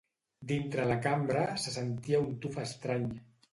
Dintre la cambra se sentia un tuf estrany.